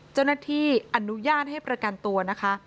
เจ้าหน้าที่อนุญาตให้ประกันตัวนะคะ